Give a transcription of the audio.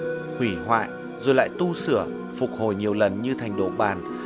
nó được xây dựng hủy hoại rồi lại tu sửa phục hồi nhiều lần như thành đổ bàn